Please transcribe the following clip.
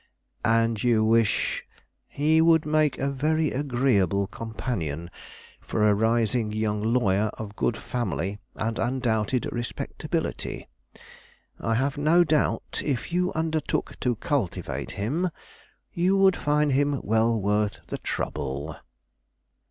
"And you wish " "He would make a very agreeable companion for a rising young lawyer of good family and undoubted respectability. I have no doubt, if you undertook to cultivate him, you would find him well worth the trouble."